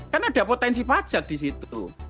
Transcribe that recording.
kan ada potensi pajak di situ